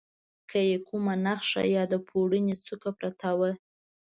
که یې کومه نخښه یا د پوړني څوکه پرته وه.